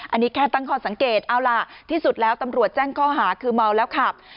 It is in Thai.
อันนี้แค่ตั้งข้อสังเกตเอาล่ะที่สุดแล้วตำรวจแจ้งข้อหาคือเมาแล้วขับ